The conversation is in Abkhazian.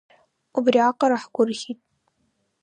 Убри аҟара ҳгәырӷьеит…